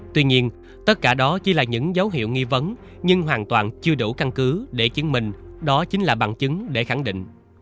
tuy nhiên tất cả đó chỉ là những dấu hiệu nghi vấn nhưng hoàn toàn chưa đủ căn cứ để chứng minh đó chính là bằng chứng để khẳng định